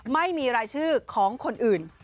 ไม่มีรายชื่อของคนอื่น